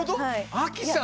⁉アキさん！